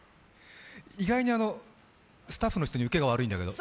意外にスタッフの人にウケが悪いんだけど。